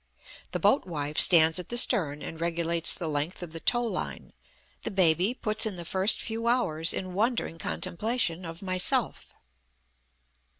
The boat wife stands at the stern and regulates the length of the tow line; the baby puts in the first few hours in wondering contemplation of myself.